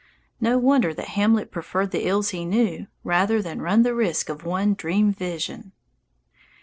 No wonder that Hamlet preferred the ills he knew rather than run the risk of one dream vision.